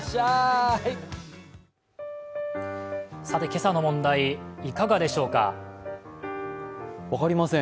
今朝の問題、いかがでしょうか？